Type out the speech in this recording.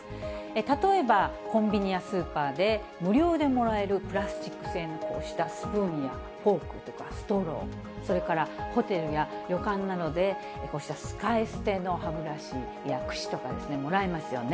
例えば、コンビニやスーパーで無料でもらえるプラスチック製のこうしたスプーンやフォークとかストロー、それからホテルや旅館などでこうした使い捨ての歯ブラシやくしとかですね、もらえますよね。